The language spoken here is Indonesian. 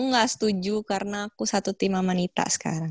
aku gak setuju karena aku satu tim sama nikita sekarang